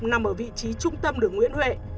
nằm ở vị trí trung tâm đường nguyễn huệ